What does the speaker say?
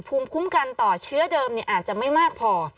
ภูมิคุ้มกันต่อเชื้อเดิมอาจจะไม่มากพอ